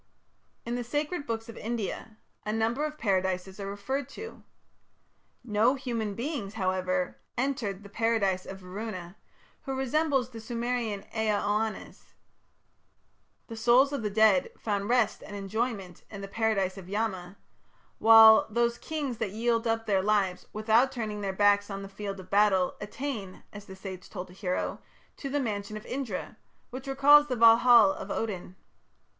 In the sacred books of India a number of Paradises are referred to. No human beings, however, entered the Paradise of Varuna, who resembles the Sumerian Ea Oannes. The souls of the dead found rest and enjoyment in the Paradise of Yama, while "those kings that yield up their lives, without turning their backs on the field of battle, attain", as the sage told a hero, "to the mansion of Indra", which recalls the Valhal of Odin.